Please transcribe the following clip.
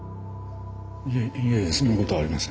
いえいやいやそんなことはありません。